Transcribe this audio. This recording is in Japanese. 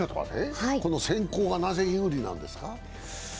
先攻がなぜ有利なんですか？